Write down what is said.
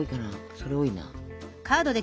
それ多いな。